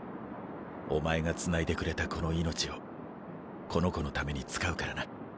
お前がつないでくれたこの命をこの子のために使うからな。